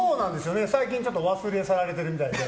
最近、忘れ去られてるみたいで。